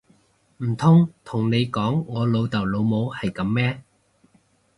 唔通同你講我老豆老母係噉咩！